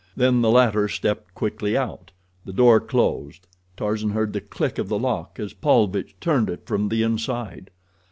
Then the latter stepped quickly out. The door closed. Tarzan heard the click of the lock as Paulvitch turned it from the inside.